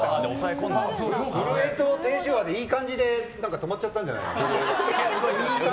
震えと低周波でいい感じに止まっちゃったんじゃないですか？